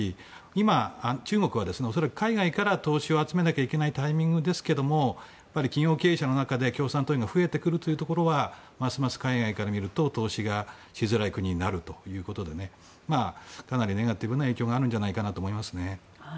今、中国は恐らく海外から投資を集めなければいけないタイミングでしょうけど企業経営者の中で共産党員が増えてくることはますます海外から見ると投資しづらい国になるということでかなりネガティブな影響があるんじゃないかと思います。